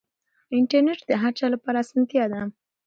انټرنیټ د هر چا لپاره اسانتیا ده.